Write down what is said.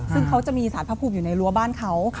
ซึ่งเขาจะมีสารพระภูมิอยู่ในรั้วบ้านเขา